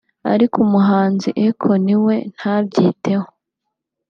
ariko umuhanzi Akon we ntabyiteho